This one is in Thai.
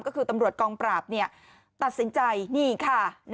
ก็คือตำรวจกองปราบตัดสินใจนี่ค่ะ